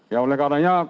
ya oleh karena